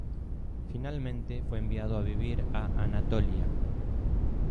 Finalmente fue enviado a vivir a Anatolia.